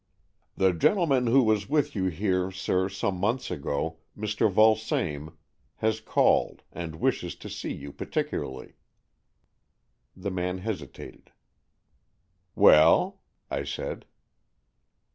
" The gentleman who was with you here, sir, some months ago, Mr. Vulsame, has called, and wishes to see you particularly." The man hesitated. ''Well?" I said.